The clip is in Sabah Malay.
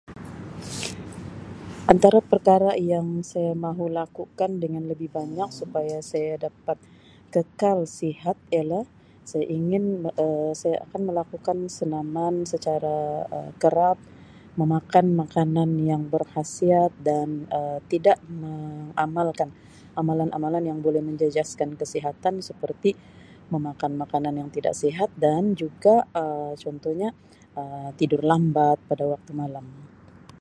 Antara perkara yang saya mahu lakukan dengan lebih banyak supaya saya dapat kekal sihat ialah saya ingin Um saya akan melakukan senaman secara Um kerap, memakan makanan yang berkhasiat dan Um tidak mengamalkan amalan-amalan yang boleh menjejaskan kesihatan seperti memakan makanan yang tidak sihat dan juga Um contohnya Um tidur lambat pada waktu malam.